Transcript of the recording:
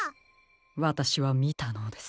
わたしはみたのです。